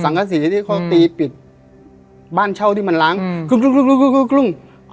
สังศรีที่เขาตีปิดบ้านเที่ยวที่มันล้างหือ